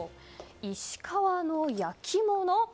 石川の焼き物。